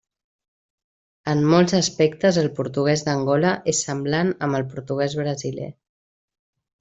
En molts aspectes el portuguès d'Angola és semblant amb el portuguès brasiler.